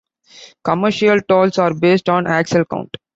Commercial tolls are based on axle count.